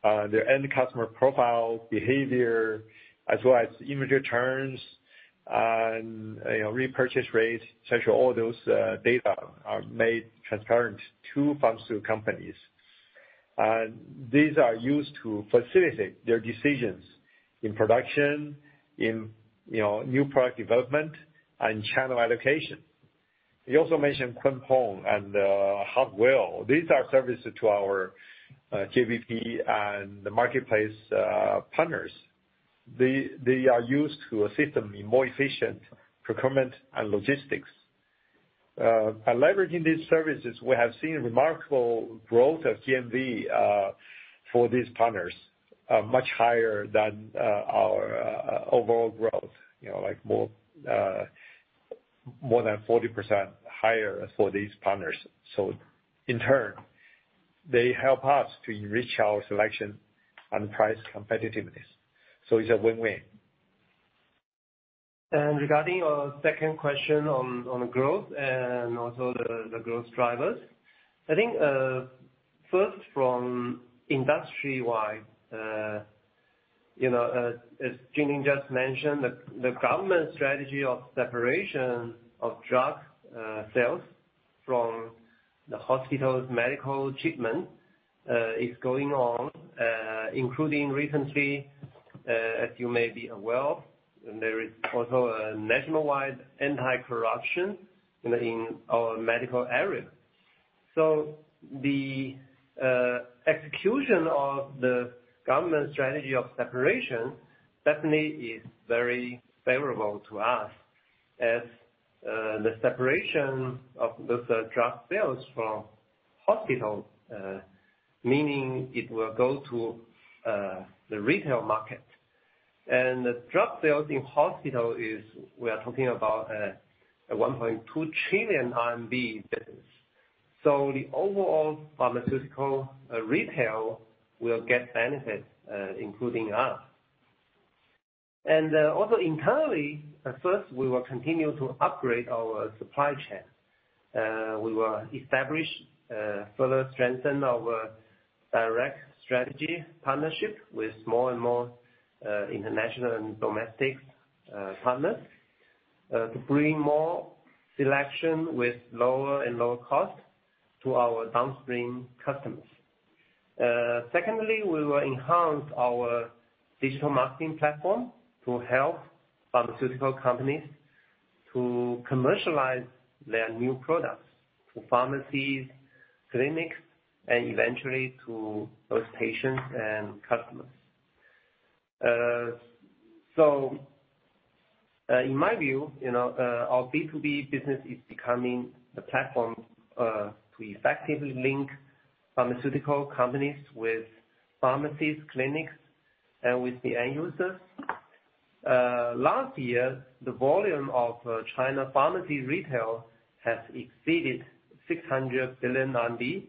Their end customer profile behavior, as well as inventory turns and, you know, repurchase rates, et cetera, all those data are made transparent to pharmaceutical companies. And these are used to facilitate their decisions in production, you know, new product development and channel allocation. He also mentioned Kunpeng and Hard Whale. These are services to our JBP and the marketplace partners. They are used to assist them in more efficient procurement and logistics. By leveraging these services, we have seen remarkable growth of GMV for these partners much higher than our overall growth. You know, like more than 40% higher for these partners. So in turn, they help us to enrich our selection and price competitiveness. So it's a win-win. Regarding your second question on the growth and also the growth drivers. I think, first, from industry-wide, you know, as Junling just mentioned, the government strategy of separation of drug sales from the hospital's medical treatment is going on, including recently, as you may be aware, there is also a nationwide anti-corruption in our medical area. So the execution of the government strategy of separation definitely is very favorable to us as the separation of those drug sales from hospitals, meaning it will go to the retail market. And the drug sales in hospital is we are talking about a 1.2 trillion RMB business. So the overall pharmaceutical retail will get benefits, including us. And also internally, at first, we will continue to upgrade our supply chain. We will establish further strengthen our direct strategy partnership with more and more international and domestic partners to bring more selection with lower and lower cost to our downstream customers. Secondly, we will enhance our digital marketing platform to help pharmaceutical companies to commercialize their new products to pharmacies, clinics, and eventually to those patients and customers. So, in my view, you know, our B2B business is becoming a platform to effectively link pharmaceutical companies with pharmacies, clinics, and with the end users. Last year, the volume of China pharmacy retail has exceeded 600 billion RMB.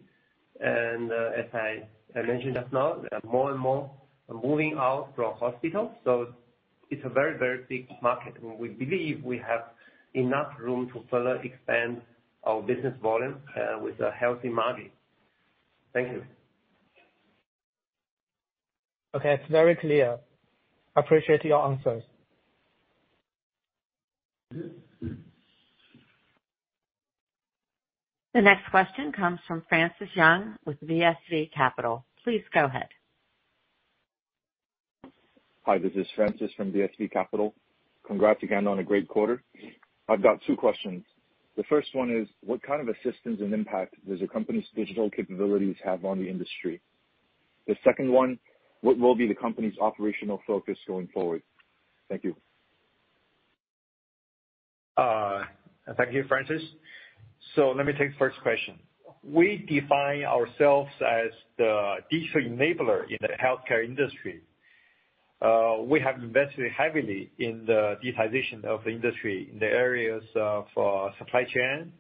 And as I mentioned just now, more and more are moving out from hospitals, so it's a very, very big market, and we believe we have enough room to further expand our business volume with a healthy margin. Thank you. Okay, it's very clear. Appreciate your answers. The next question comes from Francis Young with BSD Capital. Please go ahead. Hi, this is Francis from BSD Capital. Congrats again on a great quarter. I've got two questions. The first one is: What kind of assistance and impact does the company's digital capabilities have on the industry? The second one: What will be the company's operational focus going forward? Thank you. Thank you, Francis. So let me take the first question. We define ourselves as the digital enabler in the healthcare industry. We have invested heavily in the digitization of the industry in the areas of supply chain,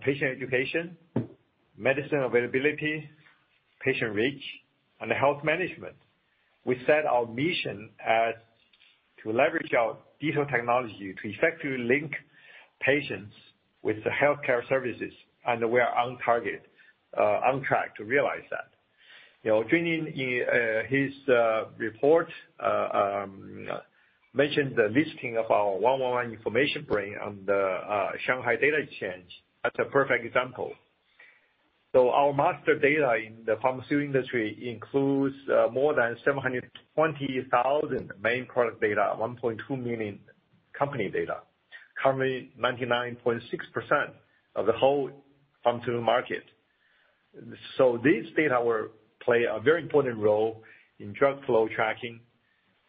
patient education, medicine availability, patient reach, and health management. We set our mission as to leverage our digital technology to effectively link patients with the healthcare services, and we are on target, on track to realize that. You know, Junling Liu, in his report, mentioned the listing of our 111 Information Brain on the Shanghai Data Exchange. That's a perfect example. So our master data in the pharmaceutical industry includes more than 720,000 main product data, 1.2 million company data, covering 99.6% of the whole pharmaceutical market. So these data will play a very important role in drug flow tracking,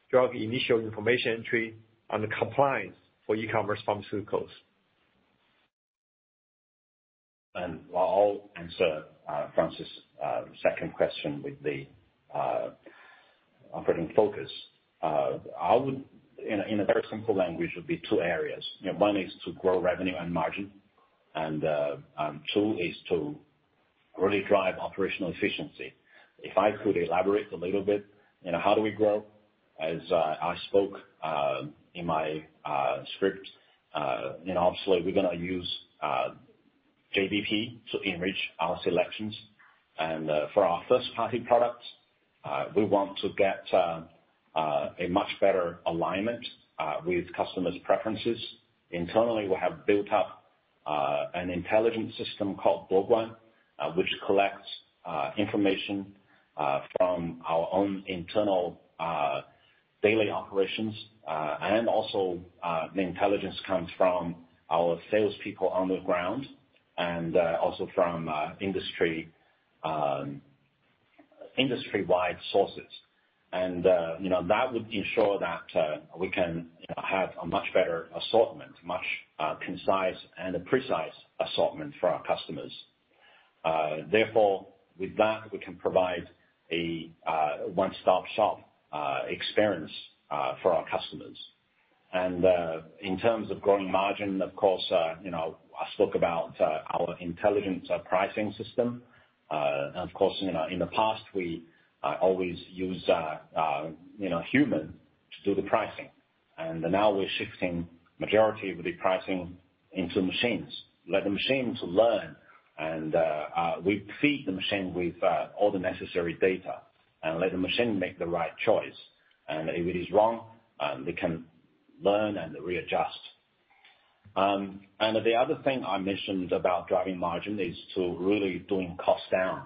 drug initial information entry, and compliance for e-commerce pharmaceuticals. I'll answer, Francis, second question with the operating focus. I would, in a very simple language, would be two areas. You know, one is to grow revenue and margin, and two is to really drive operational efficiency. If I could elaborate a little bit, you know, how do we grow? As I spoke in my script, you know, obviously, we're gonna use JBP to enrich our selections. For our first-party products, we want to get a much better alignment with customers' preferences. Internally, we have built up an intelligent system called Boguan, which collects information from our own internal daily operations. And also, the intelligence comes from our salespeople on the ground and also from industry-wide sources. You know, that would ensure that we can, you know, have a much better assortment, much concise and a precise assortment for our customers. Therefore, with that, we can provide a one-stop shop experience for our customers. In terms of growing margin, of course, you know, I spoke about our intelligent pricing system. And of course, you know, in the past we always use human to do the pricing, and now we're shifting majority of the pricing into machines. Let the machines learn, and we feed the machine with all the necessary data and let the machine make the right choice. And if it is wrong, we can learn and readjust. And the other thing I mentioned about driving margin is to really doing cost down.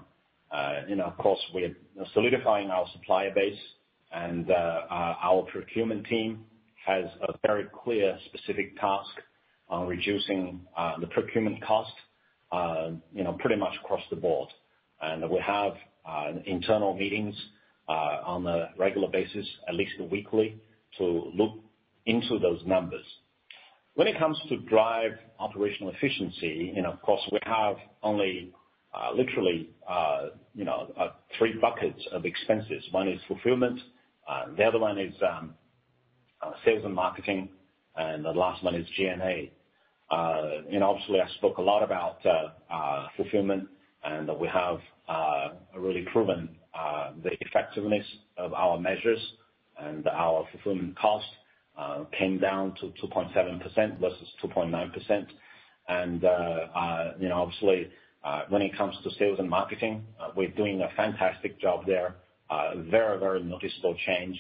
You know, of course, we're solidifying our supplier base, and our procurement team has a very clear specific task on reducing the procurement cost, you know, pretty much across the board. And we have internal meetings on a regular basis, at least weekly, to look into those numbers. When it comes to drive operational efficiency, you know, of course, we have only literally you know three buckets of expenses. One is fulfillment, the other one is sales and marketing, and the last one is G&A. And obviously, I spoke a lot about fulfillment, and we have really proven the effectiveness of our measures and our fulfillment cost came down to 2.7% versus 2.9%. You know, obviously, when it comes to sales and marketing, we're doing a fantastic job there. Very, very noticeable change,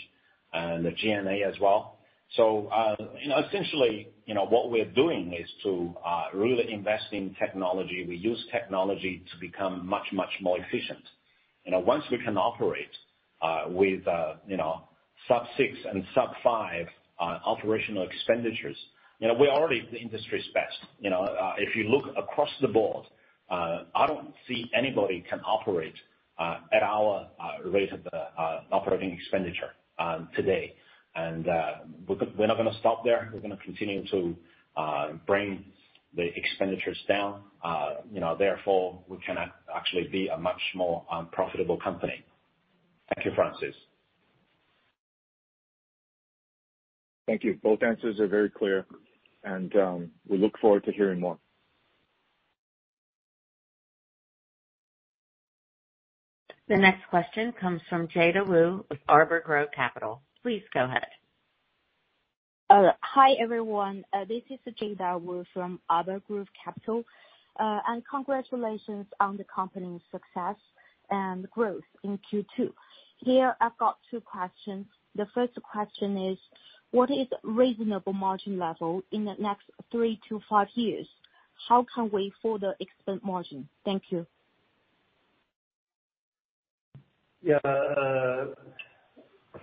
and the G&A as well. You know, essentially, you know, what we're doing is to really invest in technology. We use technology to become much, much more efficient. You know, once we can operate with, you know, sub six and sub five operational expenditures, you know, we're already the industry's best. You know, if you look across the board, I don't see anybody can operate at our rate of the operating expenditure today. We're not gonna stop there. We're gonna continue to bring the expenditures down. You know, therefore, we can actually be a much more profitable company. Thank you, Francis. Thank you. Both answers are very clear, and we look forward to hearing more. The next question comes from Jayda Wu of Arbor Grove Capital. Please go ahead. Hi, everyone. This is Jayda Wu from Arbor Grove Capital, and congratulations on the company's success and growth in Q2. Here, I've got two questions. The first question is: What is reasonable margin level in the next three to five years? How can we further expand margin? Thank you. Yeah,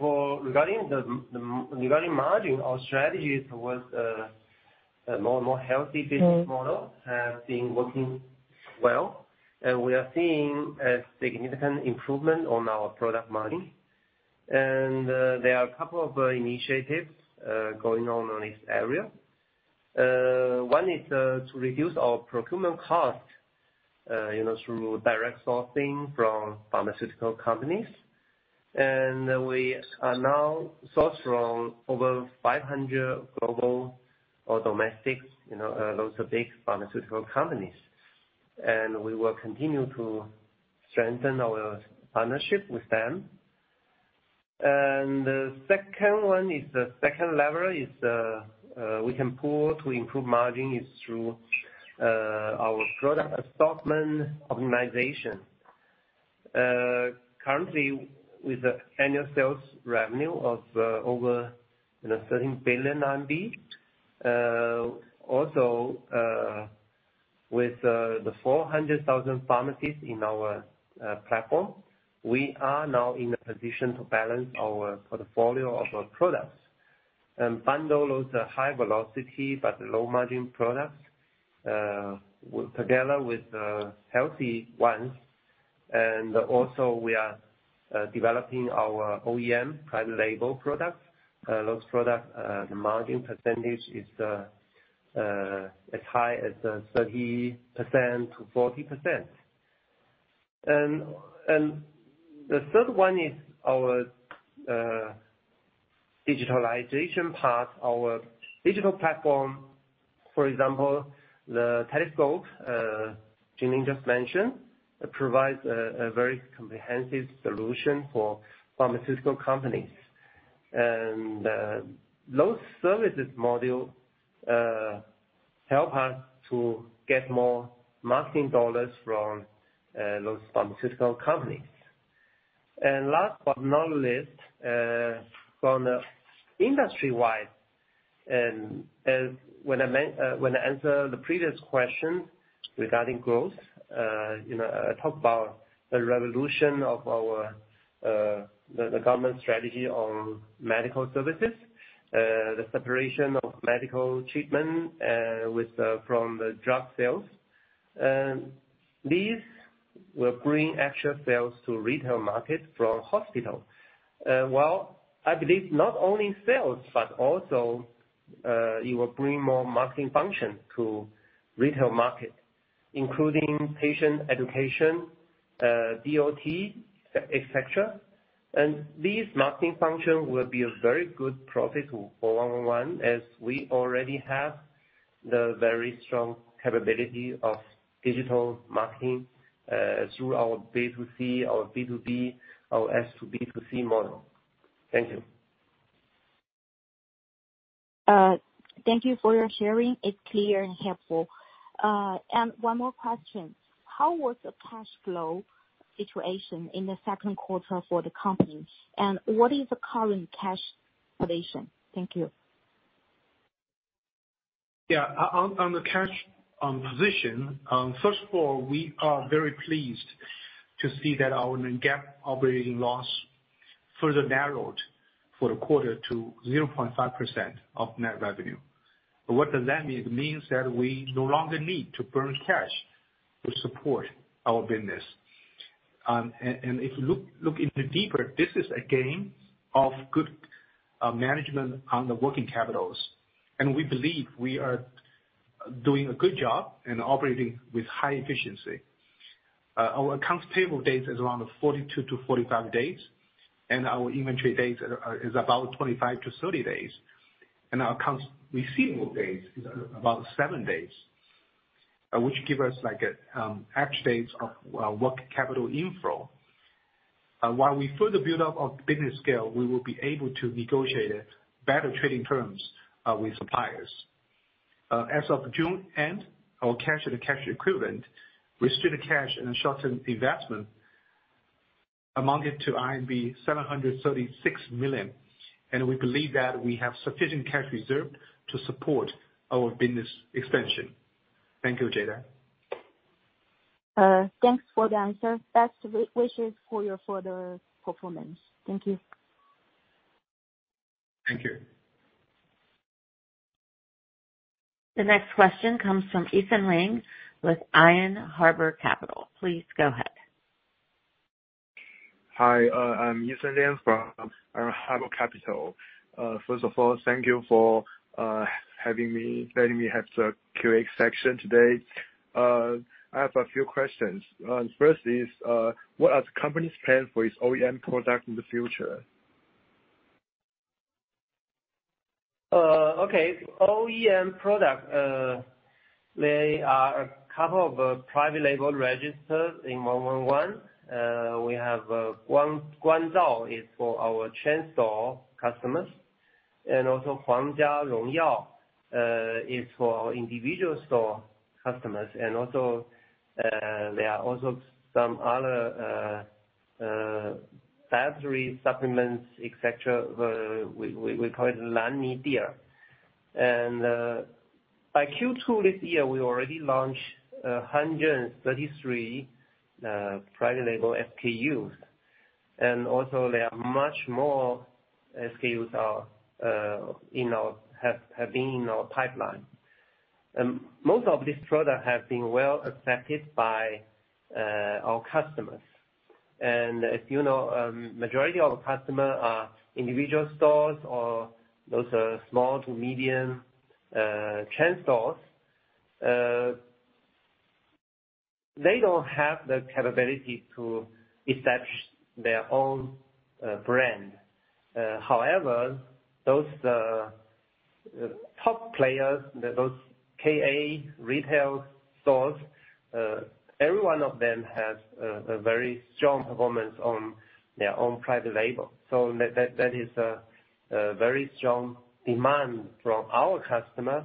regarding the margin, our strategy towards a more and more healthy business mode has been working well, and we are seeing a significant improvement on our product margin. There are a couple of initiatives going on in this area. One is to reduce our procurement cost, you know, through direct sourcing from pharmaceutical companies. And we are now sourced from over 500 global or domestic, you know, lots of big pharmaceutical companies, and we will continue to strengthen our partnership with them. And the second one is, the second lever is, we can pull to improve margin is through our product assortment organization. Currently, with the annual sales revenue of, over, you know, 13 billion RMB, also, with the 400,000 pharmacies in our platform, we are now in a position to balance our portfolio of our products. And bundle those high velocity but low margin products together with the healthy ones. Also, we are developing our OEM private label products. Those products, the margin percentage is as high as 30%-40%. And the third one is our digitalization part, our digital platform, for example, the Telescope Jianing just mentioned, it provides a very comprehensive solution for pharmaceutical companies. And those services model help us to get more marketing dollars from those pharmaceutical companies. And last but not least, from the industry-wide, and as when I when I answered the previous question regarding growth, you know, I talked about the revolution of our the government strategy on medical services, the separation of medical treatment with from the drug sales. These will bring actual sales to retail market from hospital. Well, I believe not only sales, but also it will bring more marketing functions to retail market, including patient education, DOT, et cetera. These marketing functions will be a very good profit for 111, as we already have the very strong capability of digital marketing through our B2C, our B2B, our S2B2C model. Thank you. Thank you for your sharing. It's clear and helpful. And one more question: How was the cash flow situation in the second quarter for the company, and what is the current cash position? Thank you. Yeah. On the cash position, first of all, we are very pleased to see that our non-GAAP operating loss further narrowed for the quarter to 0.5% of net revenue. But what does that mean? It means that we no longer need to burn cash to support our business. And if you look deeper, this is a gain from good management on the working capital, and we believe we are doing a good job and operating with high efficiency. Our accounts payable days is around 42-45 days, and our inventory days is about 25-30 days, and our accounts receivable days is about seven days, which give us upside of working capital inflow. While we further build up our business scale, we will be able to negotiate better trading terms with suppliers. As of June end, our cash and cash equivalent, restricted cash and short-term investment amounted to 736 million, and we believe that we have sufficient cash reserved to support our business expansion. Thank you, Jayda. Thanks for the answer. Best wishes for your further performance. Thank you. Thank you. The next question comes from Ethan Ling with Iron Harbor Capital. Please go ahead. Hi, I'm Ethan Ling from Iron Harbor Capital. First of all, thank you for having me, letting me have the QA section today. I have a few questions. First is, what are the company's plans for its OEM product in the future? Okay. OEM product, there are a couple of private label brands in 111. We have Guanzhao, it's for our chain store customers, and also Huangjia Hongyao is for our individual store customers. There are also some other dietary supplements, et cetera. We call it Lanimi Dia. By Q2 this year, we already launched 133 private label SKUs, and also there are much more SKUs in our pipeline. Most of these products have been well accepted by our customers. And as you know, majority of our customers are individual stores or those are small to medium chain stores. They don't have the capability to establish their own brand. However, those top players, those KA retail stores, every one of them has a very strong performance on their own private label. So that, that, that is a very strong demand from our customer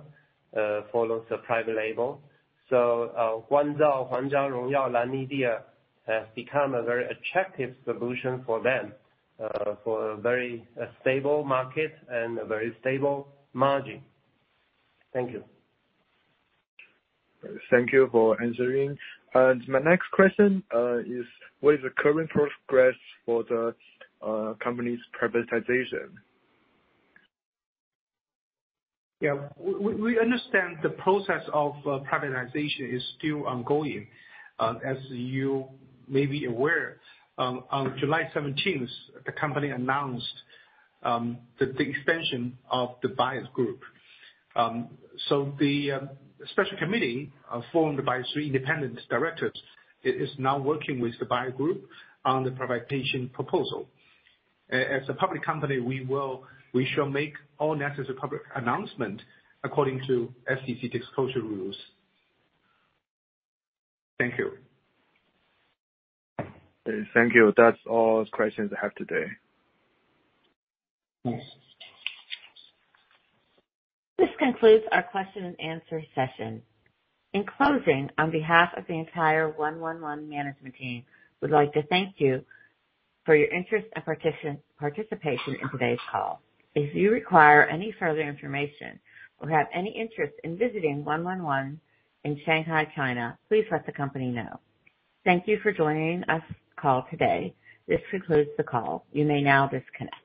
for those private label. So, Guanzhou, Huangjia Hongyao, Lanimi Dia have become a very attractive solution for them, for a very stable market and a very stable margin. Thank you. Thank you for answering. My next question is: What is the current progress for the company's privatization? Yeah. We understand the process of privatization is still ongoing. As you may be aware, on July seventeenth, the company announced the extension of the buyers group. So the special committee formed by three independent directors is now working with the buyer group on the privatization proposal. As a public company, we will we shall make all necessary public announcement according to SEC disclosure rules. Thank you. Thank you. That's all the questions I have today. This concludes our question and answer session. In closing, on behalf of the entire 111 management team, we'd like to thank you for your interest and participation in today's call. If you require any further information or have any interest in visiting 111 in Shanghai, China, please let the company know. Thank you for joining us on the call today. This concludes the call. You may now disconnect.